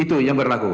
itu yang berlaku